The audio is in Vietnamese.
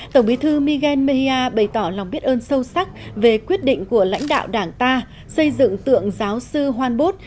tổng bí thư miguel mea bày tỏ lòng biết ơn sâu sắc về quyết định của lãnh đạo đảng ta xây dựng tượng giáo sư hoan bốt